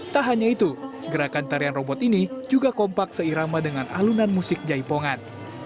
tak hanya itu gerakan tarian robot ini juga kompak seirama dengan alunan musik jaipongan